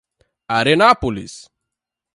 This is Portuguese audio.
Arenápolis